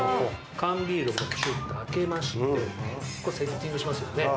缶ビールを開けましてセッティングしますよね。